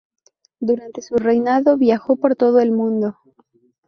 Durante su reinado viajó por todo el mundo.